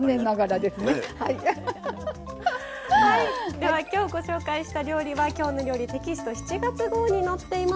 ではきょうご紹介した料理は「きょうの料理」テキスト７月号に載っています。